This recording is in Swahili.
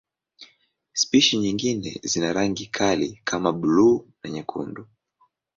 Spishi nyingine zina rangi kali kama buluu na nyekundu.